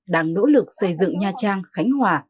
đang nỗ lực xây dựng nha trang khánh hòa